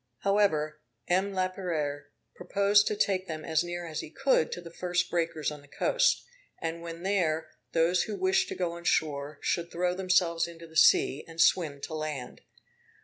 However, M. Laperere proposed to take them as near as he could to the first breakers on the coast; and when there, those who wished to go on shore should throw themselves into the sea, and swim to land.